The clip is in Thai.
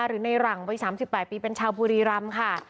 หรือในหลังวัย๓๘ปีเป็นชาวบุรีรำค่ะ